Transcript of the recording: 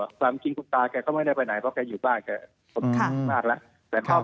ไกลหาทานนั้นเขาก็จะไปได้แต่พ่อกลัวเขาก็ไม่ได้ไปแก่ใคร